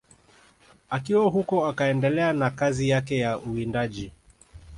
Akiwa huko akaendelea na kazi yake ya uwindaji